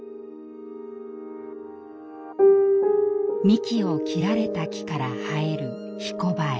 幹を切られた木から生えるひこばえ。